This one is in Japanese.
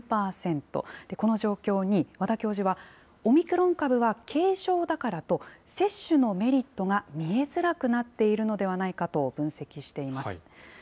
この状況に和田教授は、オミクロン株は軽症だからと、接種のメリットが見えづらくなっているのではないかと分析しています。